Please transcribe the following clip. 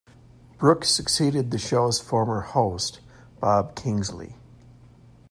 Brooks succeeded the show's former host, Bob Kingsley.